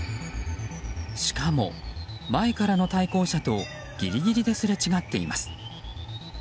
しかも前からの対向車とぎりぎりですれ違っています。